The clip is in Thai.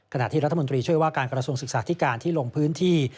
ขณะที่รัฐมนตรีช่วยว่าการกระทรวงศึกษาธิการที่ลงพื้นที่